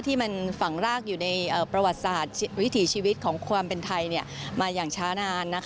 ที่มันฝังรากอยู่ในประวัติศาสตร์วิถีชีวิตของความเป็นไทยมาอย่างช้านาน